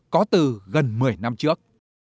có từ gần một mươi năm trước